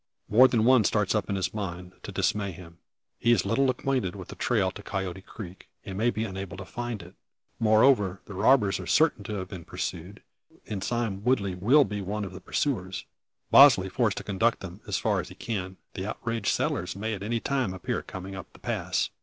More than one starts up in his mind to dismay him. He is little acquainted with the trail to Coyote Creek, and may be unable to find it. Moreover, the robbers are certain of being pursued, and Sime Woodley will be one of the pursuers; Bosley forced to conduct them, far as he can. The outraged settlers may at any moment appear coming up the pass!